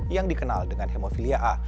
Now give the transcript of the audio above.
yang dikenal dengan hemofilia a